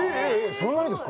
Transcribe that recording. そんなにですか？